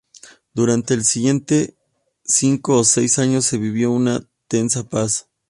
Durante los siguientes cinco ó siete años se vivió una tensa paz.